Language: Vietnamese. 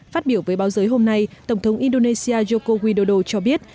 phát biểu với báo giới hôm nay tổng thống indonesia joko widodo cho biết